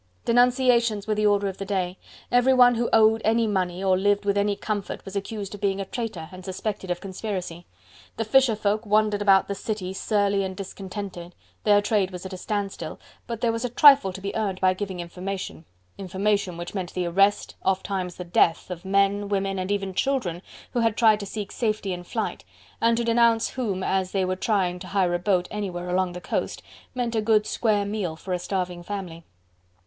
Denunciations were the order of the day. Everyone who owned any money, or lived with any comfort was accused of being a traitor and suspected of conspiracy. The fisher folk wandered about the city, surly and discontented: their trade was at a standstill, but there was a trifle to be earned by giving information: information which meant the arrest, ofttimes the death of men, women and even children who had tried to seek safety in flight, and to denounce whom as they were trying to hire a boat anywhere along the coast meant a good square meal for a starving family.